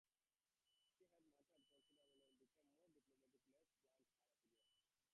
She had matured considerably and became more diplomatic and less blunt in her opinions.